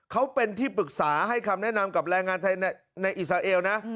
เขาเป็นที่ปรึกษาให้คำแนะนำกับแรงงานไทยในอิสราเอลนะ